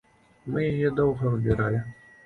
Мы яе доўга выбіралі.